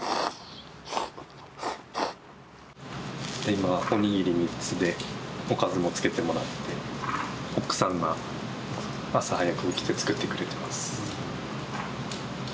今おにぎり３つでおかずもつけてもらって奥さんが朝早く起きて作ってくれています。